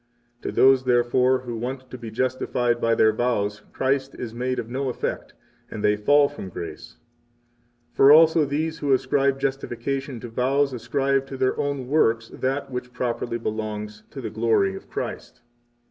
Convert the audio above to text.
42 To those, therefore, who want to be justified by their vows Christ is made of no effect, and they fall from grace. 43 For also these who ascribe justification to vows ascribe to their own works that which properly belongs to the glory of Christ.